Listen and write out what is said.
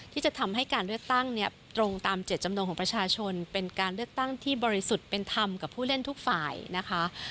ที่จะทำให้การเลือกตั้งเนี่ยตรงตามเจ็ดจำนงของประชาชนเป็นการเลือกตั้งที่บริสุทธิ์เป็นธรรมกับผู้เล่นทุกฝ่ายนะคะ